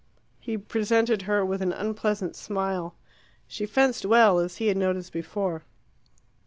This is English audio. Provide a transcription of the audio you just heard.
He presented her with an unpleasant smile. She fenced well, as he had noticed before.